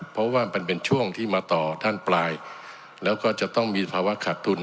เพราะว่ามันเป็นช่วงที่มาต่อท่านปลายแล้วก็จะต้องมีภาวะขาดทุน